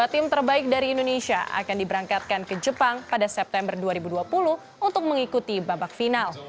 dua tim terbaik dari indonesia akan diberangkatkan ke jepang pada september dua ribu dua puluh untuk mengikuti babak final